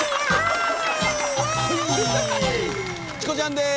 チコちゃんです